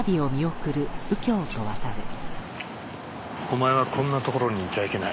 お前はこんなところにいちゃいけない。